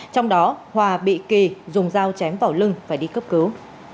trong đó hòa bị kỳ dùng dao chém vào lưng và đi cấp cứu